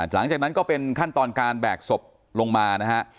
หลังจากนั้นก็เป็นขั้นตอนการแบกศพลงมานะฮะ